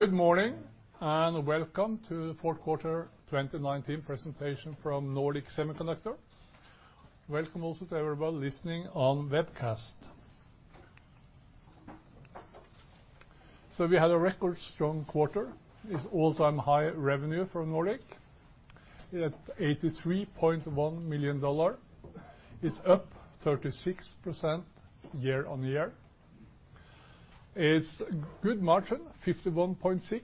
Good morning, welcome to the Q4 2019 presentation from Nordic Semiconductor. Welcome also to everybody listening on webcast. We had a record strong quarter. It's all-time high revenue from Nordic at $83.1 million. It's up 36% year-on-year. It's a good margin, 51.6%.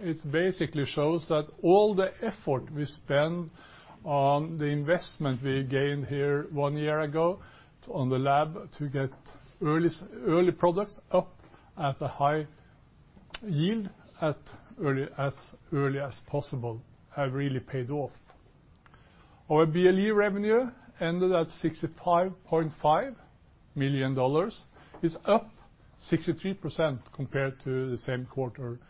It basically shows that all the effort we spend on the investment we gained here one year ago on the lab to get early products up at a high yield as early as possible have really paid off. Our BLE revenue ended at $65.5 million. It's up 63% compared to the same quarter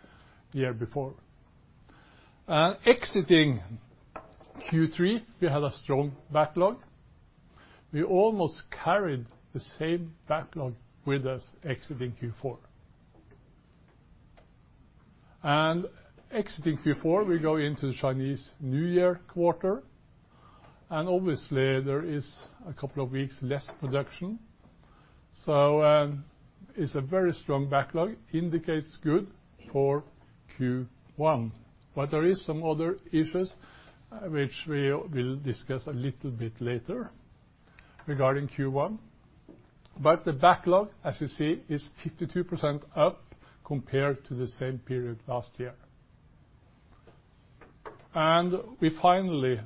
the year before. Exiting Q3, we had a strong backlog. We almost carried the same backlog with us exiting Q4. Exiting Q4, we go into the Chinese New Year quarter, and obviously there is a couple of weeks less production. It's a very strong backlog, indicates good for Q1. There is some other issues which we will discuss a little bit later regarding Q1. The backlog, as you see, is 52% up compared to the same period last year. We finally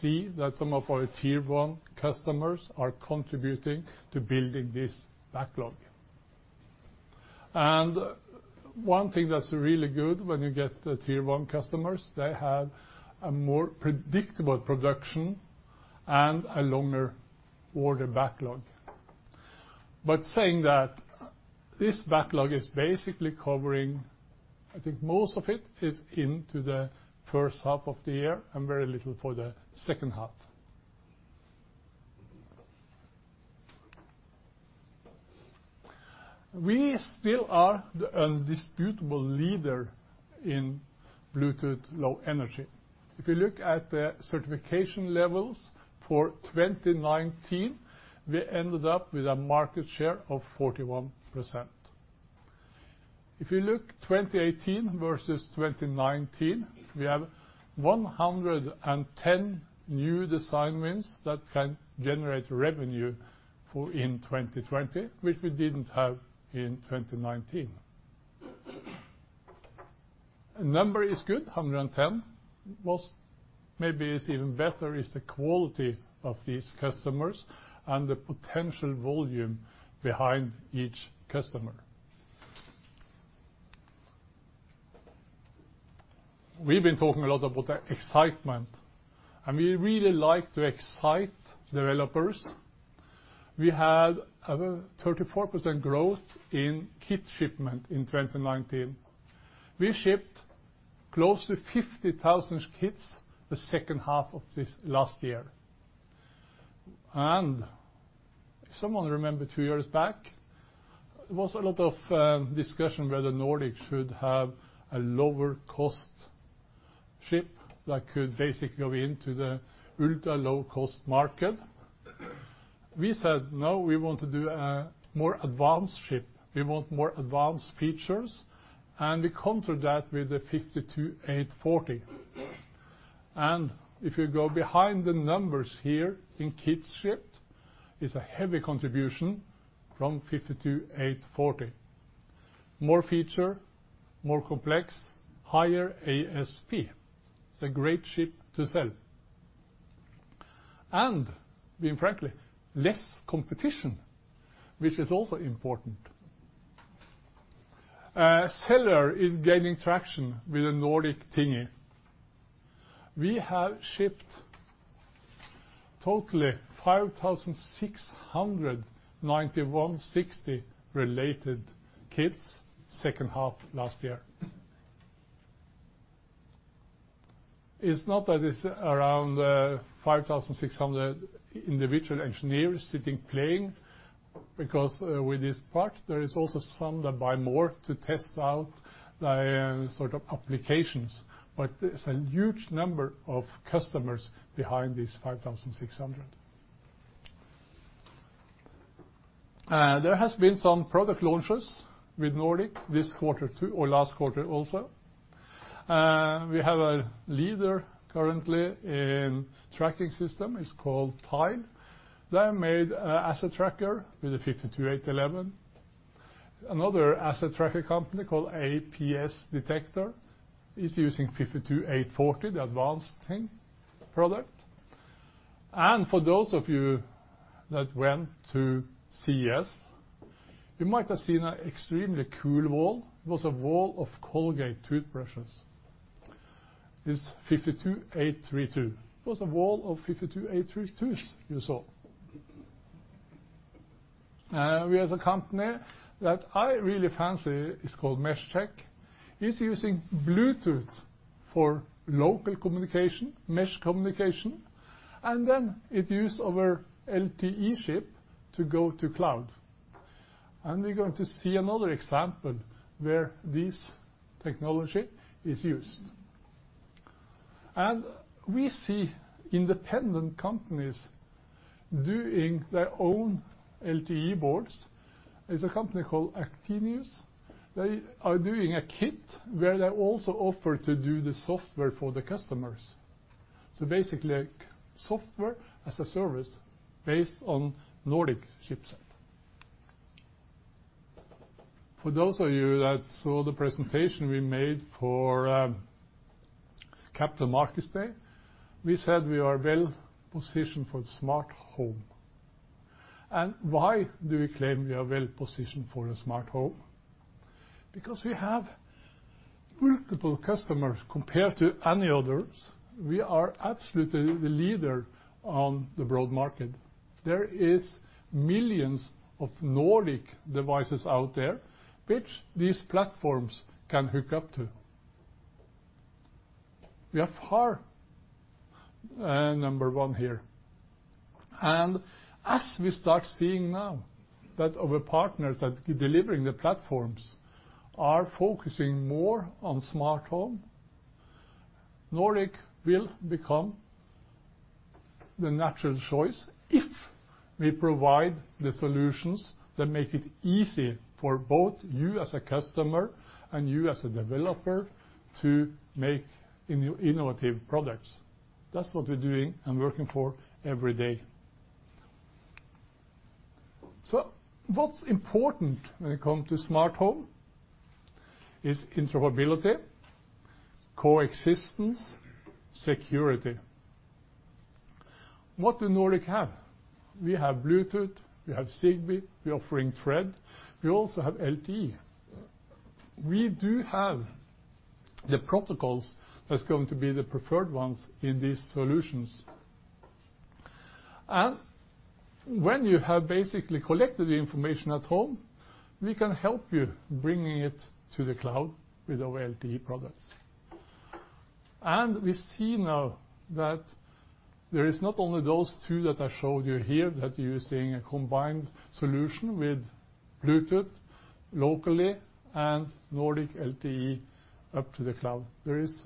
see that some of our tier 1 customers are contributing to building this backlog. One thing that's really good when you get the tier 1 customers, they have a more predictable production and a longer order backlog. Saying that, this backlog is basically covering, I think most of it is into the first half of the year and very little for the second half. We still are the indisputable leader in Bluetooth Low Energy. If you look at the certification levels for 2019, we ended up with a market share of 41%. If you look 2018 versus 2019, we have 110 new design wins that can generate revenue in 2020, which we didn't have in 2019. The number is good, 110. What maybe is even better is the quality of these customers and the potential volume behind each customer. We've been talking a lot about excitement, and we really like to excite developers. We had over 34% growth in kit shipment in 2019. We shipped close to 50,000 kits the second half of this last year. If someone remember two years back, there was a lot of discussion whether Nordic should have a lower cost chip that could basically go into the ultra-low-cost market. We said, no, we want to do a more advanced chip. We want more advanced features. We counter that with the nRF52840. If you go behind the numbers here in kits shipped, it's a heavy contribution from nRF52840. More feature, more complex, higher ASP. It's a great chip to sell. Being frankly, less competition, which is also important. Cellular is gaining traction with the Nordic Thingy. We have shipped totally 5,600 nRF9160 related kits second half last year. It's not that it's around 5,600 individual engineers sitting playing, because with this part, there is also some that buy more to test out the applications. It's a huge number of customers behind these 5,600. There has been some product launches with Nordic this quarter too, or last quarter also. We have a leader currently in tracking system. It's called Tile. They have made asset tracker with the nRF52811. Another asset tracker company called APS Detector is using nRF52840, the advanced product. For those of you that went to CES, you might have seen an extremely cool wall. It was a wall of Colgate toothbrushes. It's nRF52832. It was a wall of nRF52832s you saw. We have a company that I really fancy. It's called MeshTek. It's using Bluetooth for local communication, mesh communication, and then it use our LTE chip to go to cloud. We're going to see another example where this technology is used. We see independent companies doing their own LTE boards. There's a company called Actinius. They are doing a kit where they also offer to do the software for the customers. Basically, Software as a Service based on Nordic chipset. For those of you that saw the presentation we made for Capital Markets Day, we said we are well-positioned for smart home. Why do we claim we are well-positioned for a smart home? We have multiple customers compared to any others. We are absolutely the leader on the broad market. There is millions of Nordic devices out there, which these platforms can hook up to. We are far number one here. As we start seeing now that our partners that delivering the platforms are focusing more on smart home, Nordic will become the natural choice if we provide the solutions that make it easy for both you as a customer and you as a developer to make innovative products. That's what we're doing and working for every day. What's important when it comes to smart home is interoperability, coexistence, security. What do Nordic have? We have Bluetooth, we have Zigbee, we're offering Thread, we also have LTE. We do have the protocols that's going to be the preferred ones in these solutions. When you have basically collected the information at home, we can help you bringing it to the cloud with our LTE products. We see now that there is not only those two that I showed you here, that you're seeing a combined solution with Bluetooth locally and Nordic LTE up to the cloud. There is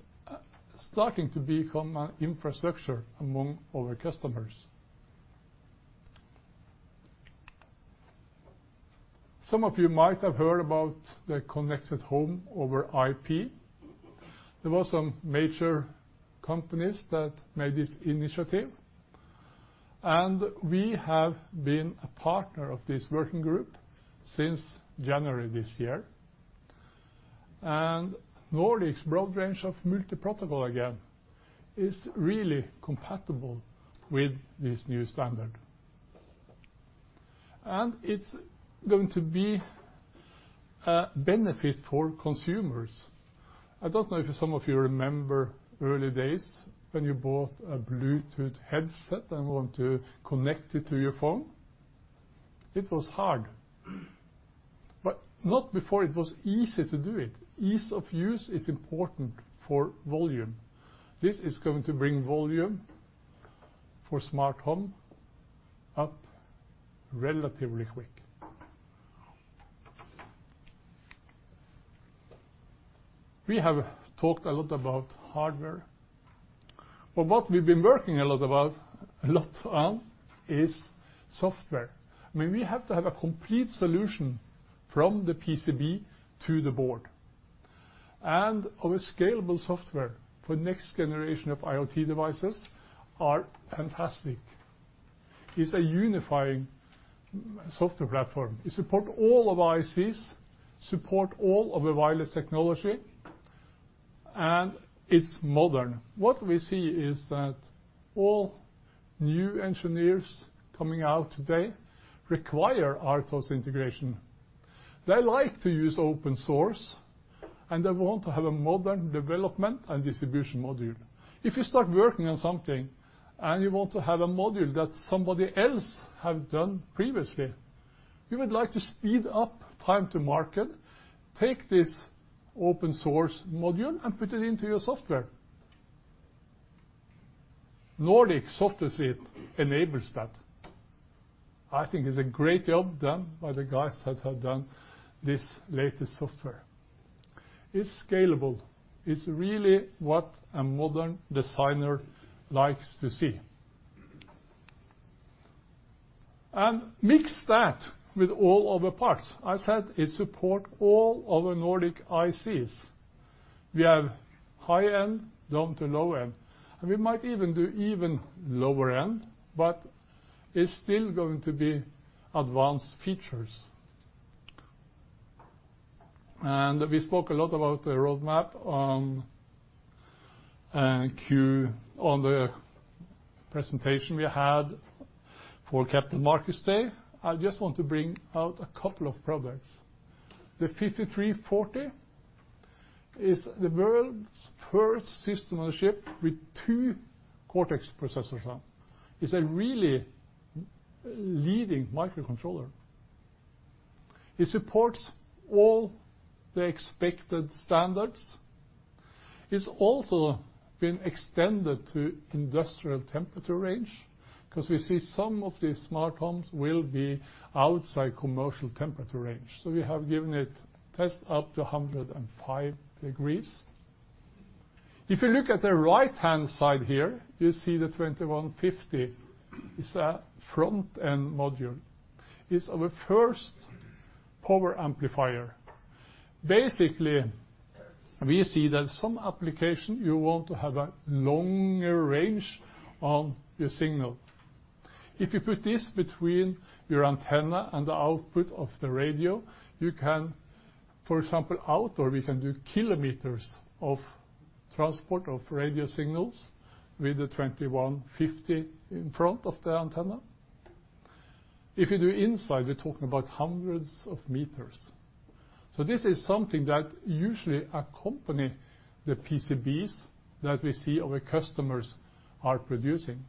starting to become an infrastructure among our customers. Some of you might have heard about the Connected Home over IP. There were some major companies that made this initiative, and we have been a partner of this working group since January this year. Nordic's broad range of multi-protocol, again, is really compatible with this new standard. It's going to be a benefit for consumers. I don't know if some of you remember early days when you bought a Bluetooth headset and want to connect it to your phone. It was hard. Not before it was easy to do it. Ease of use is important for volume. This is going to bring volume for smart home up relatively quick. We have talked a lot about hardware, but what we've been working a lot on is software. We have to have a complete solution from the PCB to the board. Our scalable software for next generation of IoT devices are fantastic. It's a unifying software platform. It support all of our ICs, support all of our wireless technology, and it's modern. What we see is that all new engineers coming out today require RTOS integration. They like to use open source, and they want to have a modern development and distribution module. If you start working on something and you want to have a module that somebody else have done previously, you would like to speed up time to market, take this open source module and put it into your software. Nordic software kit enables that. I think it's a great job done by the guys that have done this latest software. It's scalable. It's really what a modern designer likes to see. Mix that with all other parts. I said it support all other Nordic ICs. We have high-end down to low-end, and we might even do even lower end, but it's still going to be advanced features. We spoke a lot about the roadmap on the presentation we had for Capital Markets Day. I just want to bring out a couple of products. The nRF5340 is the world's first system on a chip with two Cortex processors on. It's a really leading microcontroller. It supports all the expected standards. It's also been extended to industrial temperature range because we see some of these smart homes will be outside commercial temperature range. We have given it test up to 105 degrees. If you look at the right-hand side here, you see the nRF21540 is a front-end module. It's our first power amplifier. Basically, we see that some application, you want to have a longer range on your signal. If you put this between your antenna and the output of the radio, you can, for example, outdoor, we can do kilometers of transport of radio signals with the nRF21540 in front of the antenna. If you do inside, we're talking about hundreds of meters. This is something that usually accompany the PCBs that we see our customers are producing.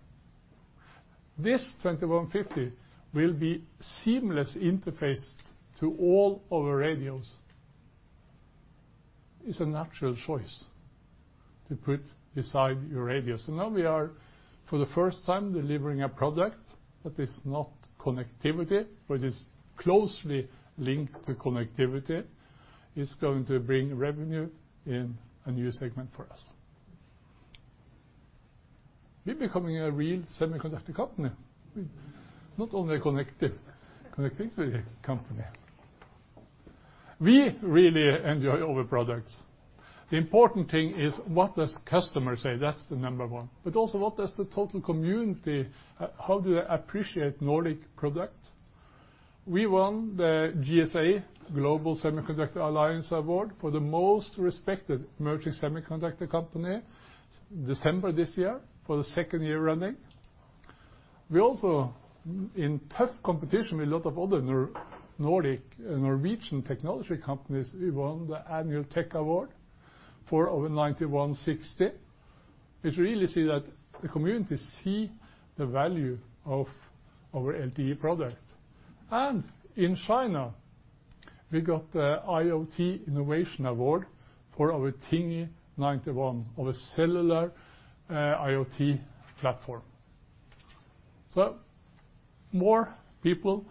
This nRF21540 will be seamless interface to all our radios. It's a natural choice to put beside your radio. Now we are, for the first time, delivering a product that is not connectivity, but is closely linked to connectivity. It's going to bring revenue in a new segment for us. We're becoming a real semiconductor company, not only a connectivity company. We really enjoy our products. The important thing is what does customer say, that's the number one. Also what does the total community, how do they appreciate Nordic product? We won the GSA, Global Semiconductor Alliance Award for the Most Respected Emerging Semiconductor Company December this year for the second year running. We also, in tough competition with a lot of other Nordic, Norwegian technology companies, we won the Norwegian Technology Award for our nRF9160. It's really see that the community see the value of our LTE product. In China, we got the China IoT Innovation Award for our Thingy:91, our cellular IoT platform. More people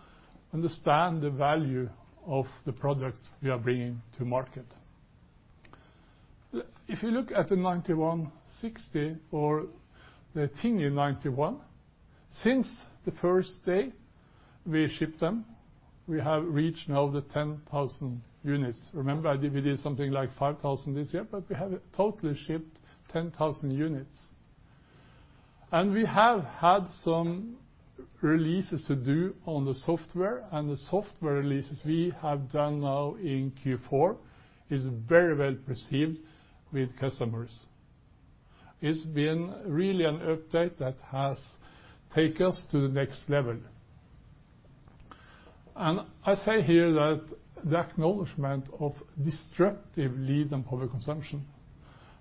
understand the value of the product we are bringing to market. If you look at the nRF9160 or the Thingy:91, since the first day we shipped them, we have reached now the 10,000 units. Remember, I did something like 5,000 this year, we have totally shipped 10,000 units. We have had some releases to do on the software, the software releases we have done now in Q4 is very well-received with customers. It's been really an update that has take us to the next level. I say here that the acknowledgment of disruptive lead and power consumption.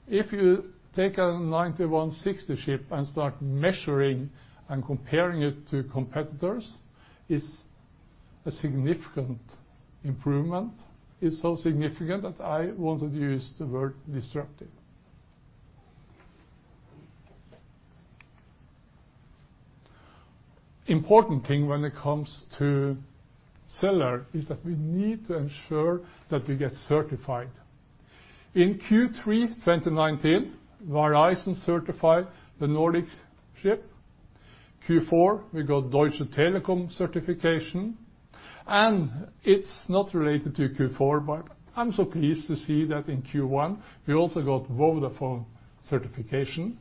If you take an nRF9160 chip and start measuring and comparing it to competitors, it's a significant improvement. It's so significant that I want to use the word disruptive. Important thing when it comes to cellular is that we need to ensure that we get certified. In Q3 2019, Verizon certified the Nordic chip. Q4, we got Deutsche Telekom certification, and it's not related to Q4, but I'm so pleased to see that in Q1, we also got Vodafone certification,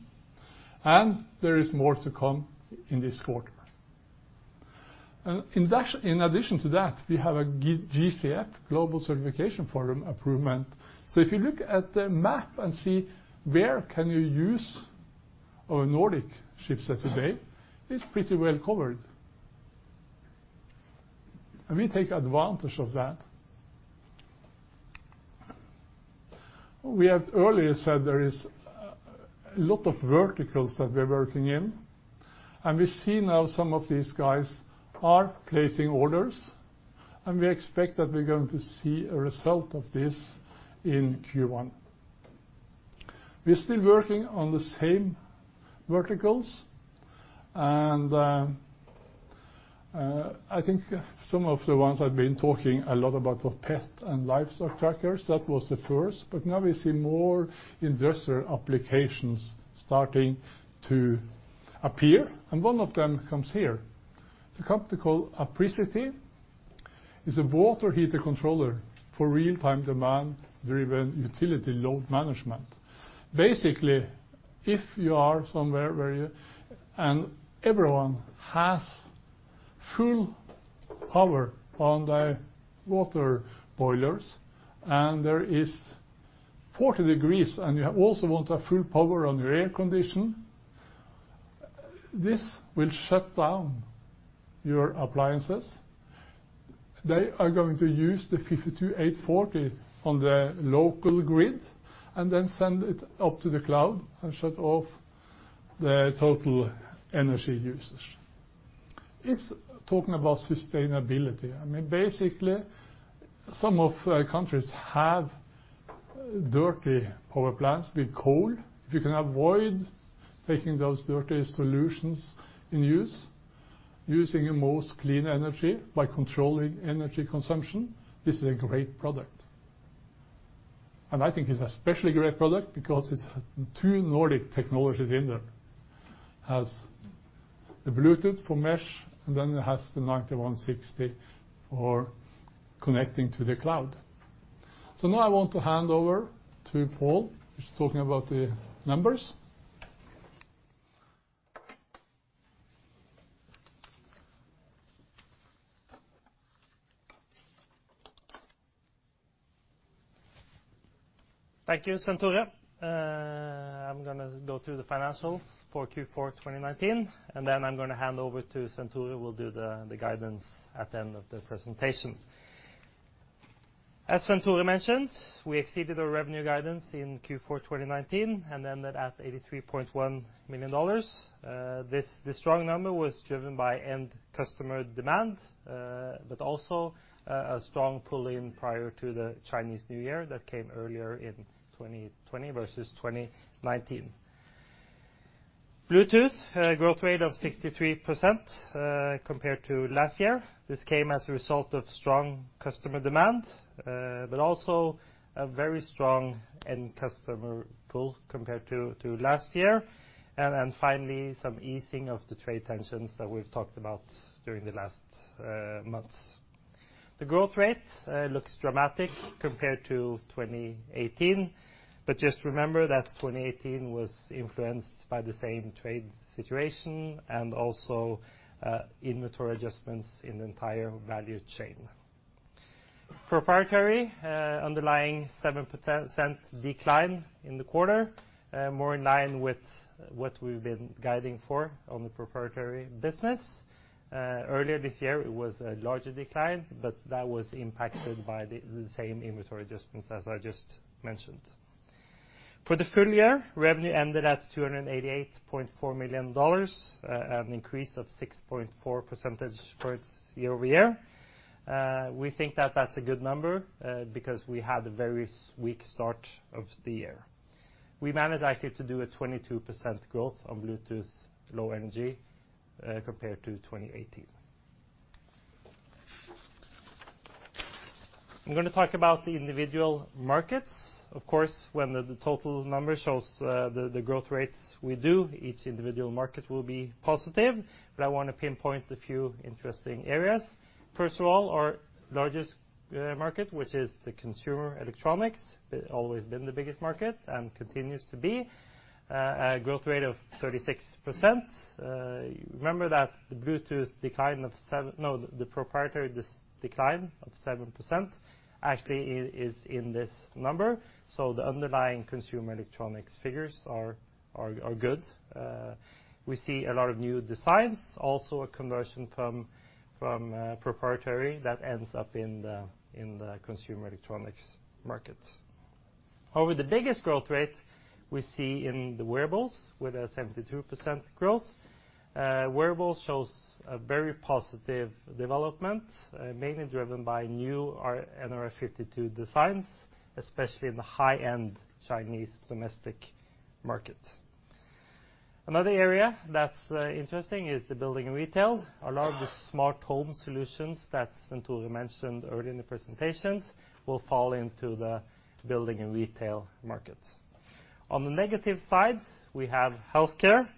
and there is more to come in this quarter. In addition to that, we have a GCF, Global Certification Forum, approval. If you look at the map and see where can you use our Nordic chip set today, it's pretty well covered. We take advantage of that. We had earlier said there is a lot of verticals that we're working in, and we see now some of these guys are placing orders, and we expect that we're going to see a result of this in Q1. We're still working on the same verticals, and I think some of the ones I've been talking a lot about were pet and livestock trackers, that was the first. Now we see more industrial applications starting to appear, and one of them comes here. It's a company called Apricity. It's a water heater controller for real-time demand-driven utility load management. Basically, if you are somewhere where you and everyone has full power on their water boilers and there is 40 degrees, and you also want to have full power on your air condition, this will shut down your appliances. They are going to use the nRF52840 on the local grid and then send it up to the cloud and shut off the total energy usage. It's talking about sustainability. Basically, some of the countries have dirty power plants with coal. If you can avoid taking those dirty solutions in use, using a most clean energy by controlling energy consumption, this is a great product. I think it's an especially great product because it's two Nordic technologies in there. It has the Bluetooth for mesh, and then it has the nRF9160 for connecting to the cloud. Now I want to hand over to Pål, who's talking about the numbers. Thank you, Svenn-Tore. I'm going to go through the financials for Q4 2019. Then I'm going to hand over to Svenn-Tore, who will do the guidance at the end of the presentation. As Svenn-Tore mentioned, we exceeded our revenue guidance in Q4 2019, ending at $83.1 million. This strong number was driven by end customer demand, also a strong pull-in prior to the Chinese New Year that came earlier in 2020 versus 2019. Bluetooth, growth rate of 63% compared to last year. This came as a result of strong customer demand, also a very strong end customer pull compared to last year. Finally, some easing of the trade tensions that we've talked about during the last months. The growth rate looks dramatic compared to 2018. Just remember that 2018 was influenced by the same trade situation and also inventory adjustments in the entire value chain. Proprietary, underlying 7% decline in the quarter, more in line with what we've been guiding for on the proprietary business. Earlier this year, it was a larger decline. That was impacted by the same inventory adjustments as I just mentioned. For the full year, revenue ended at $288.4 million, an increase of 6.4 percentage points year-over-year. We think that that's a good number because we had a very weak start of the year. We managed actually to do a 22% growth of Bluetooth Low Energy compared to 2018. I'm going to talk about the individual markets. Of course, when the total number shows the growth rates we do, each individual market will be positive. I want to pinpoint a few interesting areas. First of all, our largest market, which is the consumer electronics, always been the biggest market and continues to be, a growth rate of 36%. Remember that the proprietary decline of 7% actually is in this number, so the underlying consumer electronics figures are good. We see a lot of new designs, also a conversion from proprietary that ends up in the consumer electronics markets. The biggest growth rate we see in the wearables, with a 72% growth. Wearables shows a very positive development, mainly driven by new nRF52 designs, especially in the high-end Chinese domestic market. Another area that's interesting is the building and retail. A lot of the smart home solutions that Svenn-Tore mentioned early in the presentations will fall into the building and retail markets. On the negative side, we have healthcare.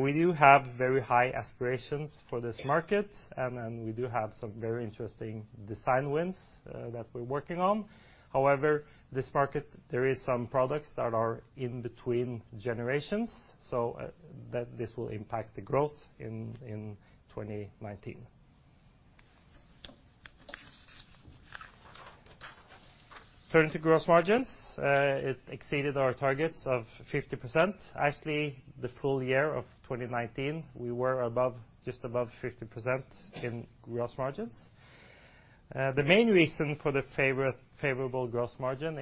We do have very high aspirations for this market, and we do have some very interesting design wins that we're working on. However, this market, there is some products that are in between generations, so this will impact the growth in 2019. Turning to gross margins. It exceeded our targets of 50%. Actually, the full year of 2019, we were just above 50% in gross margins. The main reason for the favorable gross margin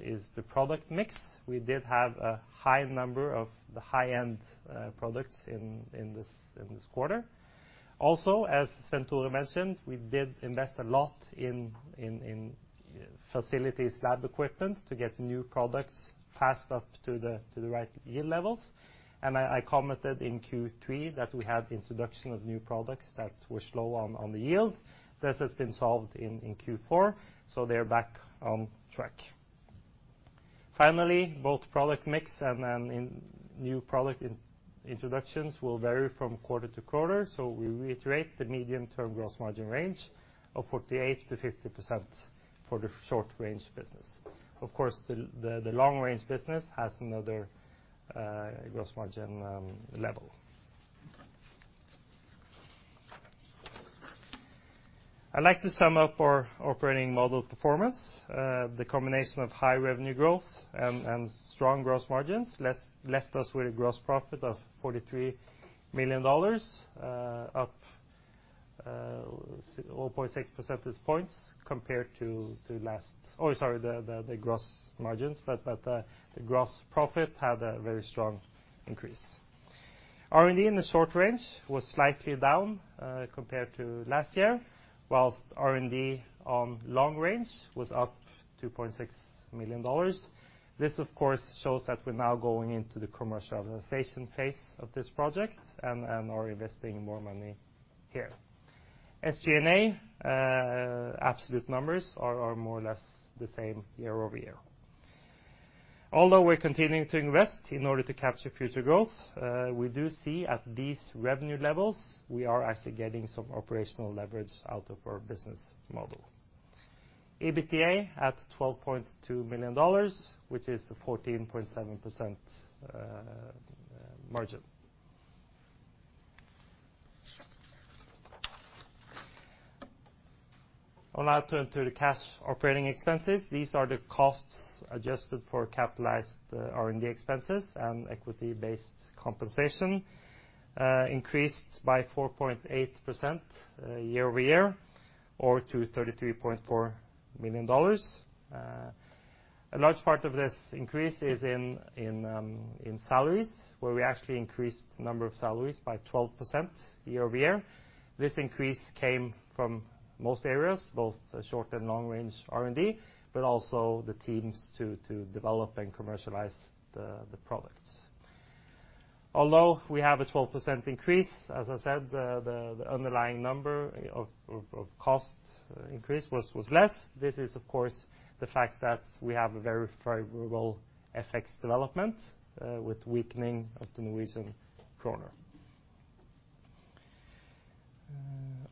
is the product mix. We did have a high number of the high-end products in this quarter. Also, as Svenn-Tore mentioned, we did invest a lot in facilities, lab equipment to get new products fast up to the right yield levels. I commented in Q3 that we had introduction of new products that were slow on the yield. This has been solved in Q4, they're back on track. Both product mix and new product introductions will vary from quarter-to-quarter. We reiterate the medium-term gross margin range of 48%-50% for the short-range business. Of course, the long-range business has another gross margin level. I'd like to sum up our operating model performance. The combination of high revenue growth and strong gross margins left us with a gross profit of $43 million, up 0.6 percentage points. Oh, sorry, the gross margins, but the gross profit had a very strong increase. R&D in the short-range was slightly down compared to last year, while R&D on long-range was up $2.6 million. This, of course, shows that we're now going into the commercialization phase of this project and are investing more money here. SG&A, absolute numbers are more or less the same year-over-year. Although we are continuing to invest in order to capture future growth, we do see at these revenue levels, we are actually getting some operational leverage out of our business model. EBITDA at $12.2 million, which is the 14.7% margin. I will now turn to the cash operating expenses. These are the costs adjusted for capitalized R&D expenses and equity-based compensation, increased by 4.8% year-over-year or to $33.4 million. A large part of this increase is in salaries, where we actually increased number of salaries by 12% year-over-year. This increase came from most areas, both short and long range R&D, also the teams to develop and commercialize the products. Although we have a 12% increase, as I said, the underlying number of cost increase was less. This is, of course, the fact that we have a very favorable effects development with weakening of the Norwegian kroner.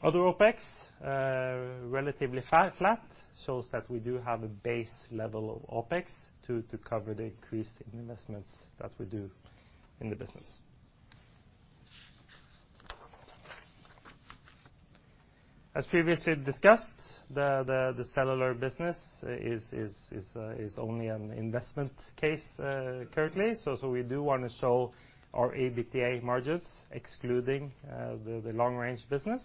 Other OpEx, relatively flat, shows that we do have a base level of OpEx to cover the increase in investments that we do in the business. As previously discussed, the cellular business is only an investment case currently. We do want to show our EBITDA margins excluding the long range business.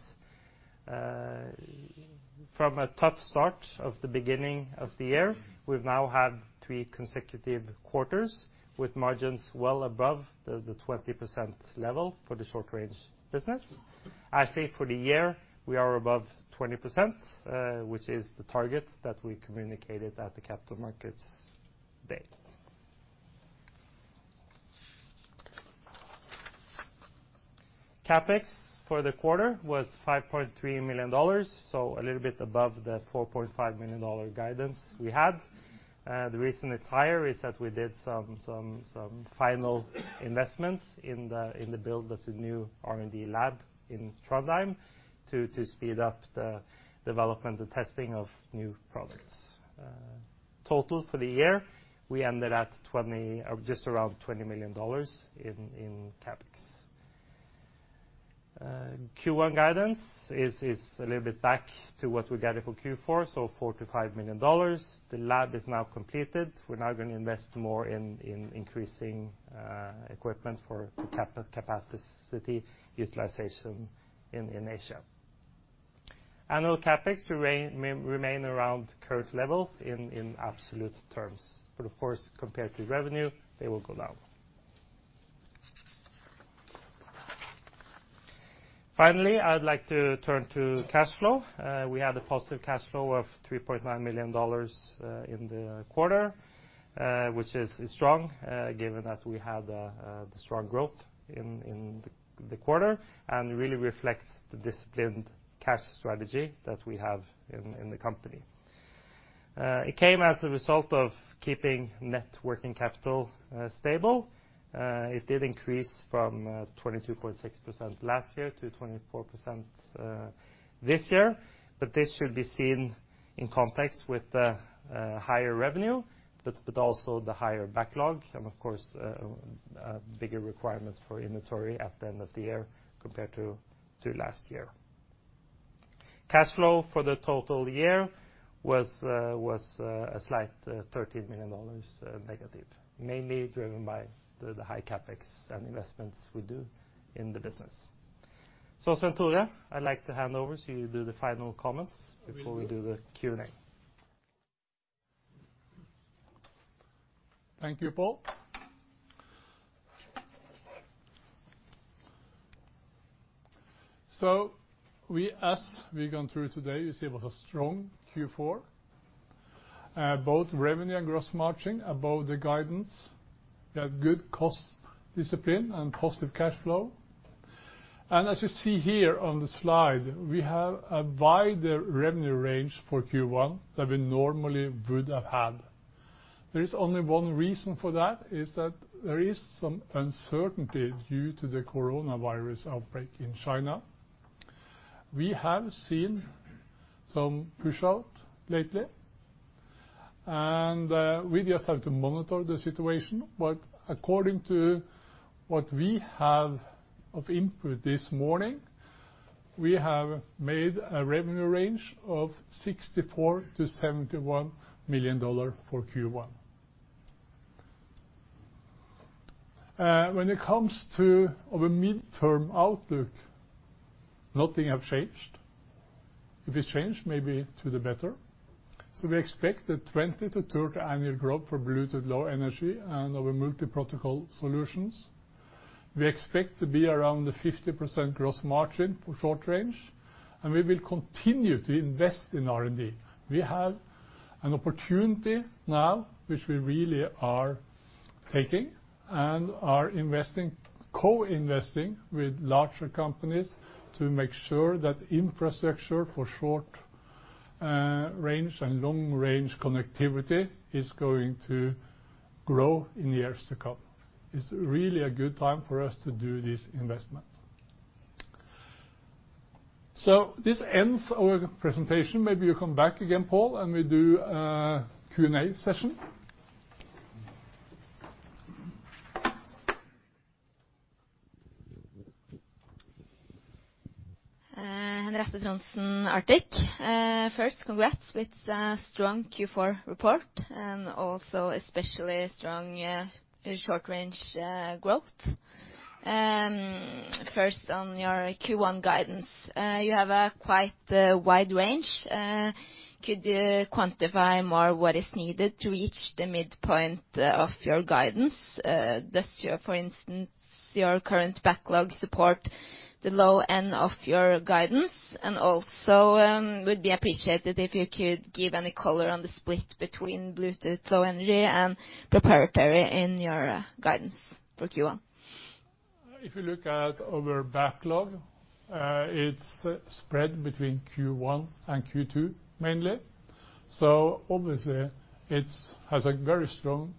From a tough start of the beginning of the year, we've now had three consecutive quarters with margins well above the 20% level for the short range business. Actually, for the year, we are above 20%, which is the target that we communicated at the Capital Markets Day. CapEx for the quarter was $5.3 million, a little bit above the $4.5 million guidance we had. The reason it's higher is that we did some final investments in the build of the new R&D lab in Trondheim to speed up the development and testing of new products. Total for the year, we ended at just around $20 million in CapEx. Q1 guidance is a little bit back to what we guided for Q4, so $4 million-$5 million. The lab is now completed. We're now going to invest more in increasing equipment for capacity utilization in Asia. Annual CapEx remain around current levels in absolute terms. Of course, compared to revenue, they will go down. Finally, I would like to turn to cash flow. We had a positive cash flow of $3.9 million in the quarter, which is strong, given that we had the strong growth in the quarter, and really reflects the disciplined cash strategy that we have in the company. It came as a result of keeping net working capital stable. It did increase from 22.6% last year to 24% this year, but this should be seen in context with the higher revenue, but also the higher backlog and, of course, a bigger requirement for inventory at the end of the year compared to last year. Cash flow for the total year was a slight $13 million negative, mainly driven by the high CapEx and investments we do in the business. Svenn-Tore, I'd like to hand over so you do the final comments before we do the Q&A. Thank you, Pål. As we've gone through today, you see it was a strong Q4. Both revenue and gross margin above the guidance. We had good cost discipline and positive cash flow. As you see here on the slide, we have a wider revenue range for Q1 than we normally would have had. There is only one reason for that, is that there is some uncertainty due to the coronavirus outbreak in China. We have seen some push out lately, and we just have to monitor the situation. According to what we have of input this morning, we have made a revenue range of $64-$71 million for Q1. When it comes to our midterm outlook, nothing has changed. If it's changed, maybe to the better. We expect a 20%-30% annual growth for Bluetooth Low Energy and our multi-protocol solutions. We expect to be around the 50% gross margin for short-range, and we will continue to invest in R&D. We have an opportunity now, which we really are taking, and are co-investing with larger companies to make sure that infrastructure for short-range and long-range connectivity is going to grow in the years to come. It's really a good time for us to do this investment. This ends our presentation. Maybe you come back again, Pål, and we do a Q&A session. Henriette Trondsen, Arctic. First, congrats with a strong Q4 report and also especially strong short-range growth. First, on your Q1 guidance, you have a quite wide range. Could you quantify more what is needed to reach the midpoint of your guidance? Does, for instance, your current backlog support the low end of your guidance? Also, would be appreciated if you could give any color on the split between Bluetooth Low Energy and proprietary in your guidance for Q1. If you look at our backlog, it's spread between Q1 and Q2, mainly. Obviously, it has a very strong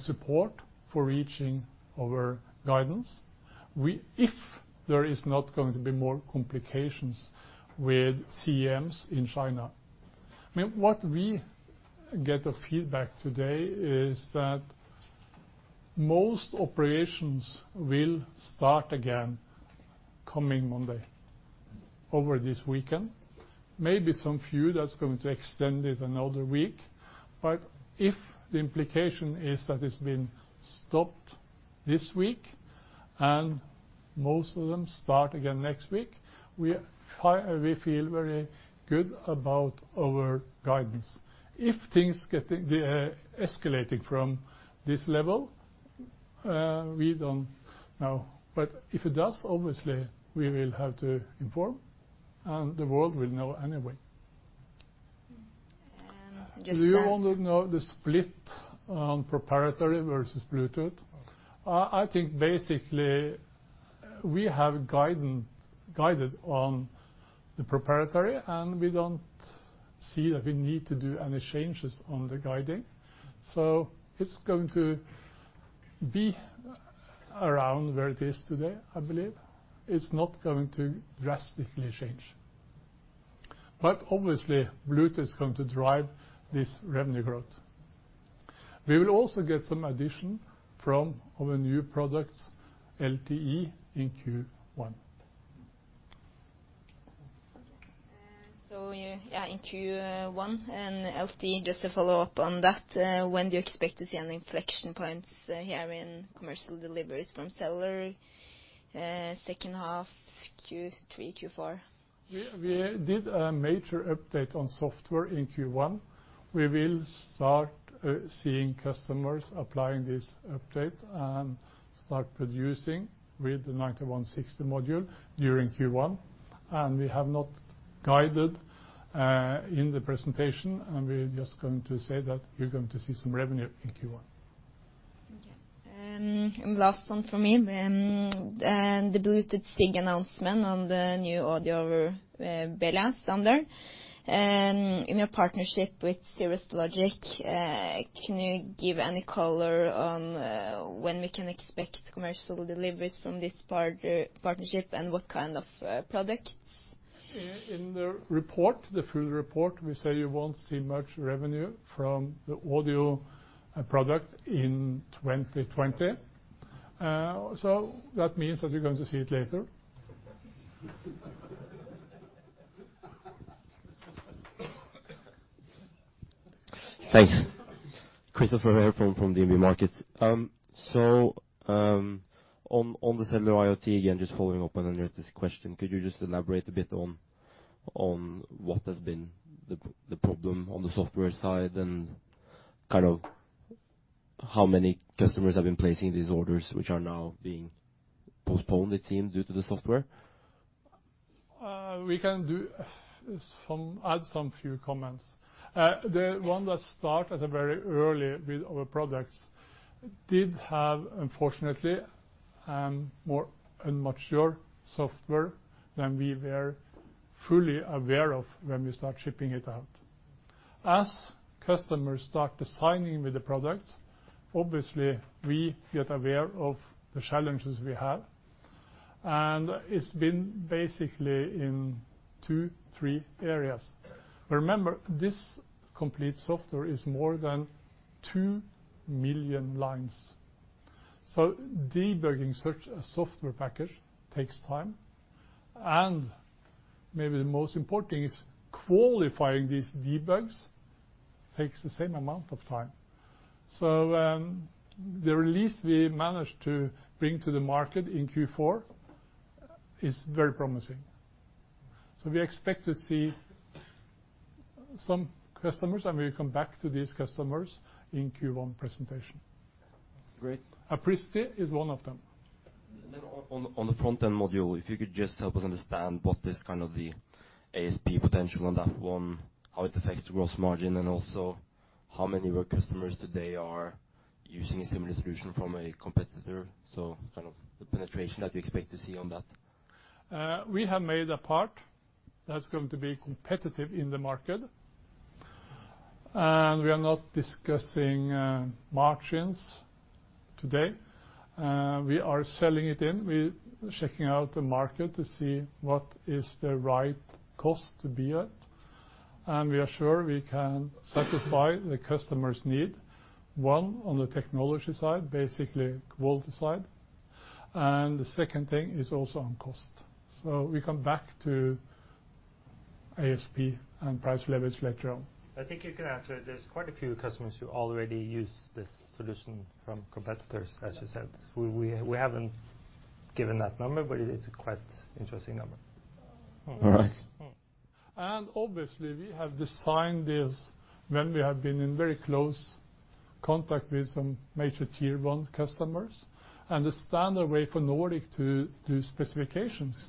support for reaching our guidance. If there is not going to be more complications with CMs in China. What we get a feedback today is that most operations will start again coming Monday, over this weekend. Maybe some few that's going to extend it another week. If the implication is that it's been stopped this week and most of them start again next week, we feel very good about our guidance. If things get escalating from this level, we don't know. If it does, obviously we will have to inform, and the world will know anyway. And just that? You want to know the split on proprietary versus Bluetooth. I think basically we have guided on the proprietary, we don't see that we need to do any changes on the guiding. It's going to be around where it is today, I believe. It's not going to drastically change. Obviously, Bluetooth is going to drive this revenue growth. We will also get some addition from our new products, LTE in Q1. Okay. Yeah, in Q1 and LTE, just to follow up on that, when do you expect to see an inflection point here in commercial deliveries from cellular? Second half Q3, Q4? We did a major update on software in Q1. We will start seeing customers applying this update and start producing with the nRF9160 module during Q1. We have not guided, in the presentation, and we're just going to say that you're going to see some revenue in Q1. Okay. Last one from me then. The Bluetooth SIG announcement on the new audio over BLE standard. In your partnership with Cirrus Logic, can you give any color on when we can expect commercial deliveries from this partnership and what kind of products? In the full report, we say you won't see much revenue from the audio product in 2020. That means that you're going to see it later. Thanks. Christoffer from DNB Markets. On the cellular IoT, again, just following up on Henriette's question, could you just elaborate a bit on what has been the problem on the software side and how many customers have been placing these orders, which are now being postponed it seems due to the software? We can add some few comments. The one that start at a very early with our products did have, unfortunately, more immature software than we were fully aware of when we start shipping it out. As customers start designing with the products, obviously we get aware of the challenges we have, and it's been basically in two, three areas. Remember, this complete software is more than two million lines. Debugging such a software package takes time, and maybe the most important is qualifying these debugs takes the same amount of time. The release we managed to bring to the market in Q4 is very promising. We expect to see some customers, and we'll come back to these customers in Q1 presentation. Great. Apricity is one of them. On the front-end module, if you could just help us understand what is the ASP potential on that one, how it affects gross margin, and also how many of your customers today are using a similar solution from a competitor, so the penetration that you expect to see on that. We have made a part that's going to be competitive in the market, and we are not discussing margins today. We are selling it in. We're checking out the market to see what is the right cost to be at, and we are sure we can satisfy the customer's need, one, on the technology side, basically quality side, and the second thing is also on cost. We come back to ASP and price levels later on. I think you can answer. There's quite a few customers who already use this solution from competitors, as you said. We haven't given that number, but it's quite interesting number. All right. Obviously we have designed this when we have been in very close contact with some major tier 1 customers, and the standard way for Nordic to do specifications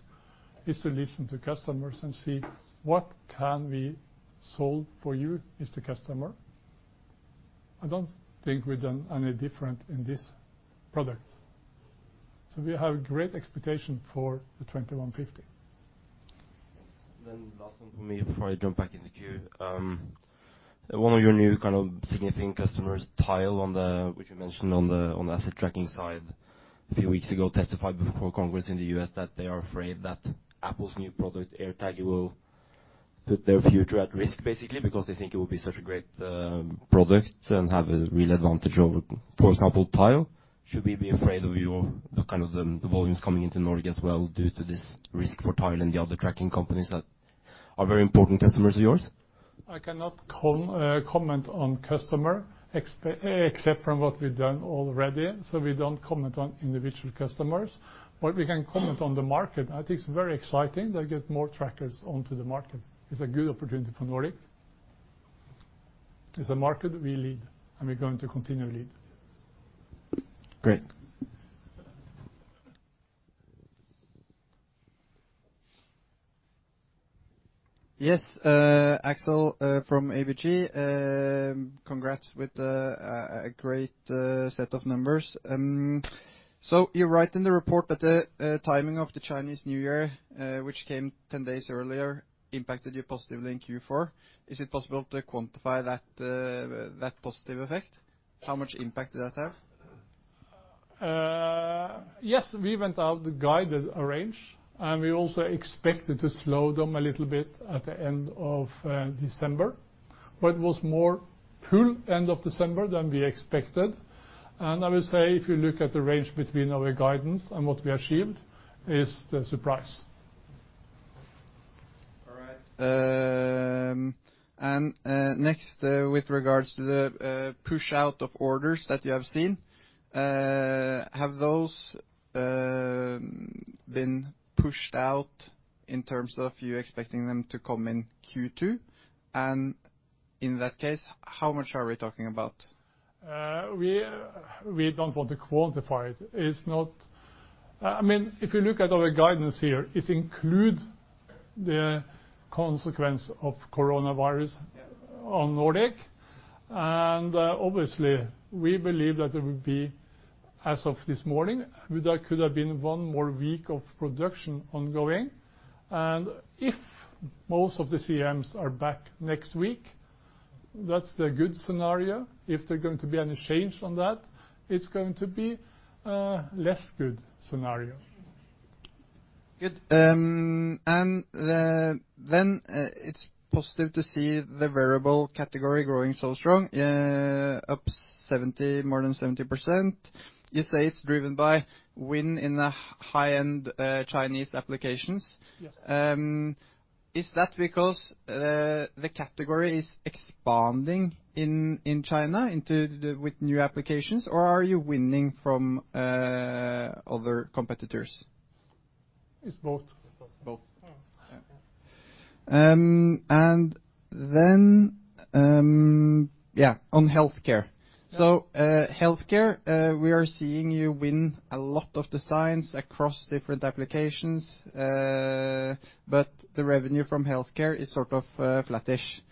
is to listen to customers and see what can we solve for you, Mr. Customer. I don't think we've done any different in this product. We have great expectation for the nRF21540. Yes. Last one from me before I jump back in the queue. One of your new kind of significant customers, Tile, which you mentioned on the asset tracking side a few weeks ago, testified before Congress in the U.S. that they are afraid that Apple's new product, AirTag, will put their future at risk, basically, because they think it will be such a great product and have a real advantage over, for example, Tile. Should we be afraid of the volumes coming into Nordic as well due to this risk for Tile and the other tracking companies that are very important customers of yours? I cannot comment on customer except from what we've done already. We don't comment on individual customers. What we can comment on the market, I think it's very exciting that get more trackers onto the market. It's a good opportunity for Nordic. It's a market that we lead, and we're going to continue to lead. Great. Yes, Aksel from ABG, congrats with a great set of numbers. You write in the report that the timing of the Chinese New Year, which came 10 days earlier, impacted you positively in Q4. Is it possible to quantify that positive effect? How much impact did that have? Yes, we went out the guided range. We also expected to slow down a little bit at the end of December. It was more full end of December than we expected. I will say, if you look at the range between our guidance and what we achieved, it's the surprise. All right. Next, with regards to the push-out of orders that you have seen, have those been pushed out in terms of you expecting them to come in Q2? In that case, how much are we talking about? We don't want to quantify it. If you look at our guidance here, it include the consequence of coronavirus on Nordic. Obviously, we believe that there will be, as of this morning, there could have been one more week of production ongoing. If most of the CMs are back next week, that's the good scenario. If they're going to be any change from that, it's going to be a less good scenario. Good. It's positive to see the wearable category growing so strong, up more than 70%. You say it's driven by win in the high-end Chinese applications. Yes. Is that because the category is expanding in China with new applications, or are you winning from other competitors? It's both. Both. Yeah. On healthcare. Healthcare, we are seeing you win a lot of designs across different applications, but the revenue from healthcare is sort of flattish.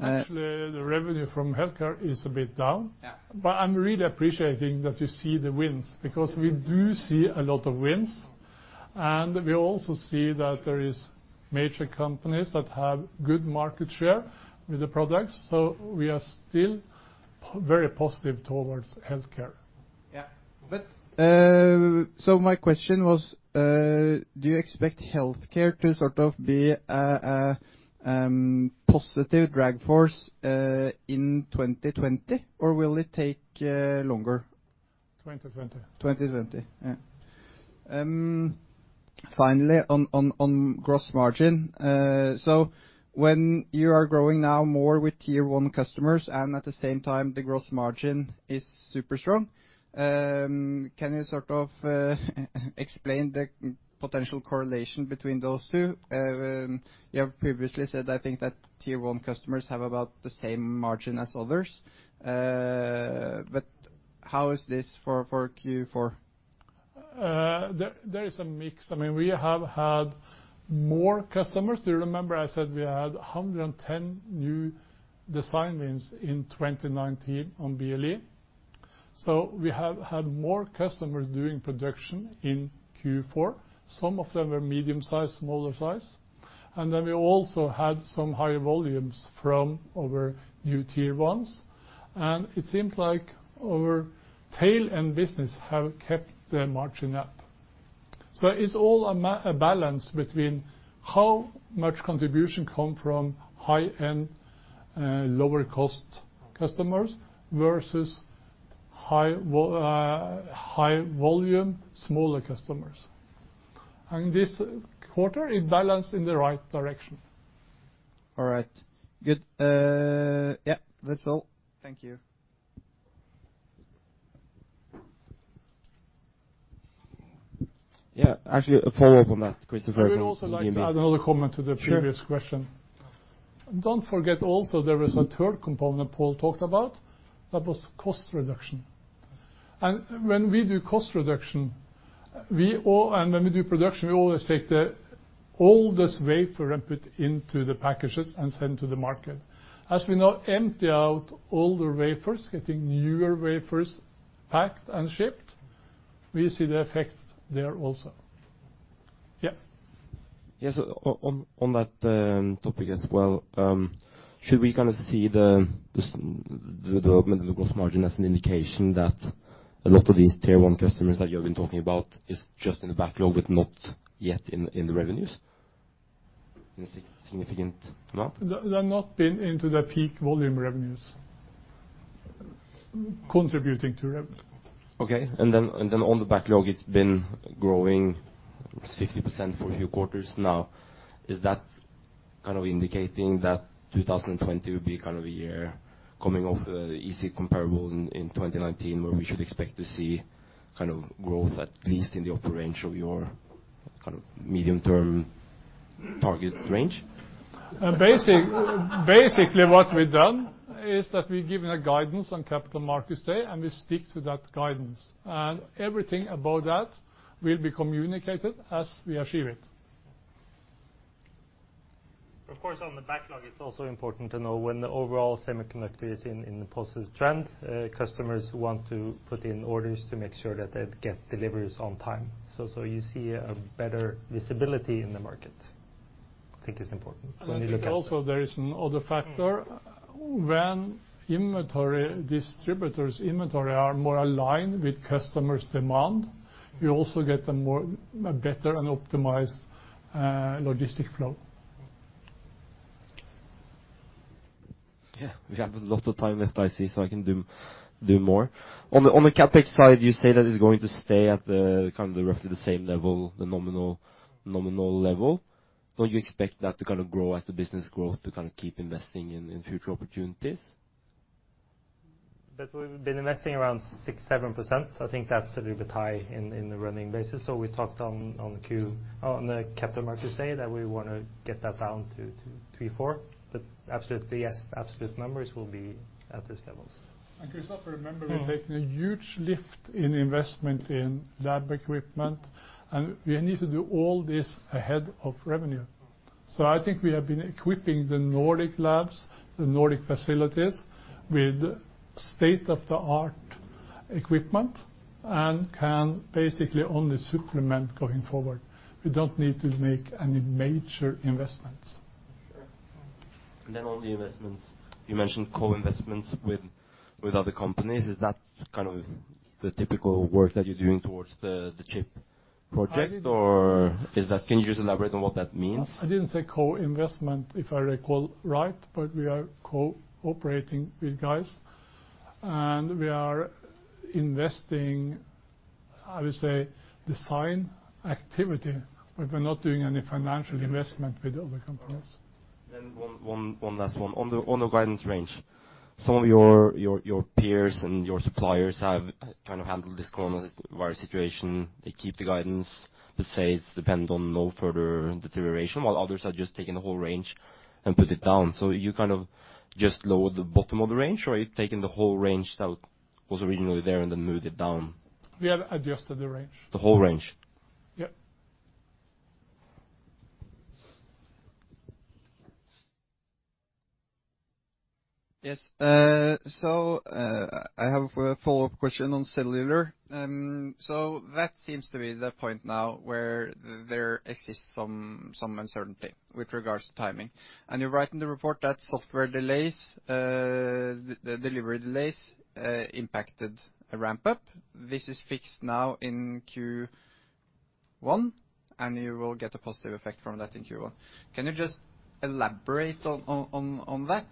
Actually, the revenue from healthcare is a bit down. Yeah. I'm really appreciating that you see the wins, because we do see a lot of wins, and we also see that there is major companies that have good market share with the products. We are still very positive towards healthcare. Yeah. My question was, do you expect healthcare to be a positive drag force in 2020, or will it take longer? 2020. 2020. On gross margin, when you are growing now more with tier 1 customers and at the same time the gross margin is super strong, can you sort of explain the potential correlation between those two? You have previously said, I think that tier 1 customers have about the same margin as others. How is this for Q4? There is a mix. We have had more customers. Do you remember I said we had 110 new design wins in 2019 on BLE. We have had more customers doing production in Q4. Some of them are medium size, smaller size, and then we also had some high volumes from our new tier 1s, and it seems like our tail and business have kept the margin up. It's all a balance between how much contribution come from high-end, lower cost customers versus high volume, smaller customers. This quarter it balanced in the right direction. All right, good. Yeah. That's all. Thank you. Yeah, actually a follow-up on that, Christoffer. I would also like to add another comment to the previous question. Sure. Don't forget also there is a third component Pål talked about. That was cost reduction. When we do cost reduction and when we do production, we always take the oldest wafer and put into the packages and send to the market. As we now empty out older wafers, getting newer wafers packed and shipped, we see the effects there also. Yeah. Yes, on that topic as well. Should we see the development of the gross margin as an indication that a lot of these tier 1 customers that you have been talking about is just in the backlog, but not yet in the revenues in a significant amount? They've not been into the peak volume revenues, contributing to revenue. Okay. On the backlog, it's been growing 50% for a few quarters now. Is that indicating that 2020 will be a year coming off easy comparable in 2019, where we should expect to see growth at least in the upper range of your medium term target range? Basically what we've done is that we've given a guidance on Capital Markets Day, and we stick to that guidance. Everything above that will be communicated as we achieve it. Of course, on the backlog, it is also important to know when the overall semiconductor is in the positive trend. Customers want to put in orders to make sure that they get deliveries on time. You see a better visibility in the market. I think it is important when you look at that. I think also there is another factor. When inventory distributors, inventory are more aligned with customers' demand, you also get a more better and optimized logistic flow. Yeah. We have a lot of time left, I see, so I can do more. On the CapEx side, you say that it's going to stay at the roughly the same level, the nominal level. Don't you expect that to grow as the business grow to keep investing in future opportunities? That we've been investing around six, 7%. I think that's a little bit high in the running basis. We talked on the Capital Markets Day that we want to get that down to three, four. Absolutely, yes. Absolute numbers will be at these levels. Christoffer, remember, we're taking a huge lift in investment in lab equipment, and we need to do all this ahead of revenue. I think we have been equipping the Nordic labs, the Nordic facilities, with state-of-the-art equipment and can basically only supplement going forward. We don't need to make any major investments. Sure. On the investments, you mentioned co-investments with other companies. Is that the typical work that you're doing towards the chip project? Can you just elaborate on what that means? I didn't say co-investment, if I recall right, but we are cooperating with guys, and we are investing, I would say design activity, but we're not doing any financial investment with other companies. One last one. On the guidance range. Some of your peers and your suppliers have handled this coronavirus situation. They keep the guidance but say it's dependent on no further deterioration, while others have just taken the whole range and put it down. You kind of just lowered the bottom of the range, or you've taken the whole range that was originally there and then moved it down? We have adjusted the range. The whole range? Yeah. Yes. I have a follow-up question on cellular. That seems to be the point now where there exists some uncertainty with regards to timing. You write in the report that software delays, the delivery delays impacted a ramp-up. This is fixed now in Q1, and you will get a positive effect from that in Q1. Can you just elaborate on that?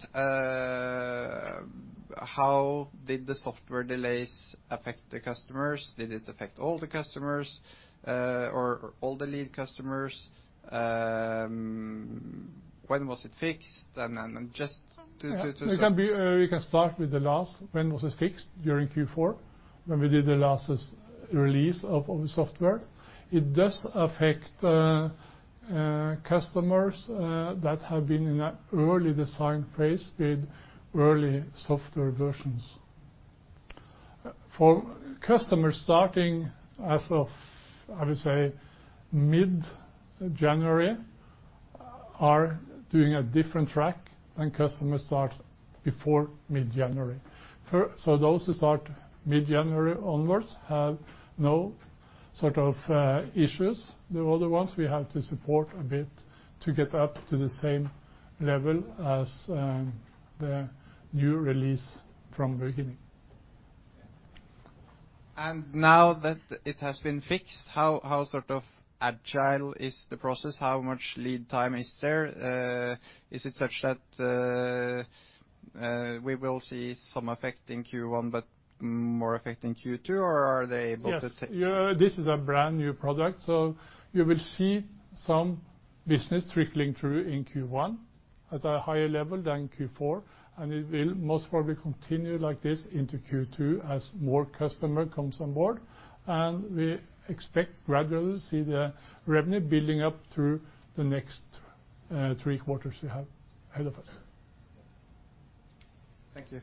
How did the software delays affect the customers? Did it affect all the customers, or all the lead customers? When was it fixed? We can start with the last. When was it fixed? During Q4, when we did the last release of the software. It does affect customers that have been in a early design phase with early software versions. For customers starting as of, I would say mid-January, are doing a different track than customers start before mid-January. Those who start mid-January onwards have no sort of issues. The other ones, we have to support a bit to get up to the same level as the new release from the beginning. Now that it has been fixed, how agile is the process? How much lead time is there? Is it such that we will see some effect in Q1 but more effect in Q2? Or are they both the same? Yes. This is a brand-new product, so you will see some business trickling through in Q1 at a higher level than Q4, and it will most probably continue like this into Q2 as more customer comes on board. We expect gradually to see the revenue building up through the next three quarters we have ahead of us. Thank you.